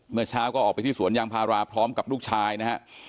เมื่อเช้าก็ออกไปที่สวนยางพาราพร้อมกับลูกชายนะฮะ